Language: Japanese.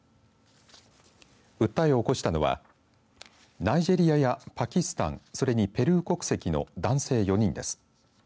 訴えを起こしたのはナイジェリアやパキスタンそれにペルー国籍の男性４人です。